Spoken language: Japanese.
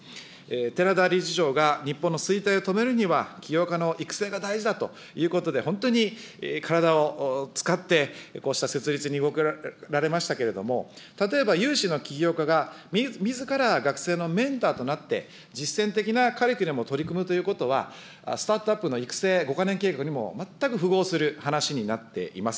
寺田理事長が、日本の衰退を止めるには、起業家の育成が大事だということで、本当に体を使って、こうした設立に動かられましたけれども、例えば、有志の企業家がみずから学生のメンターとなって、実践的なカリキュラムを取り組むということは、スタートアップの育成５か年計画にも全く符合する話になっています。